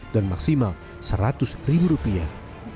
dan maksimal seratus ribu rupiah